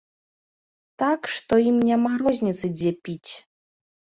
Так што ім няма розніцы, дзе піць.